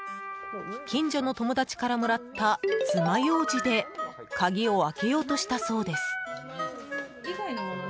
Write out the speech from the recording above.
近所の友達からもらったつまようじで鍵を開けようとしたそうです。